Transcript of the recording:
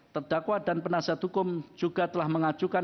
terdakwa dan penasihat hukum juga telah mengajukan